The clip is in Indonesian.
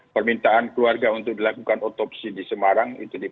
permintaan keluarga untuk dilakukan otopsi di semarang